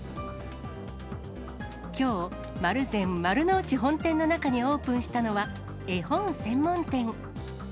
きょう、丸善丸の内本店の中にオープンしたのは、絵本専門店。